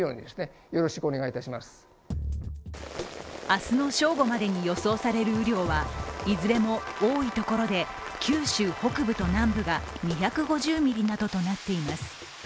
明日の正午までに予想される雨量は、いずれも多いところで九州北部と南部が２５０ミリなどとなっています。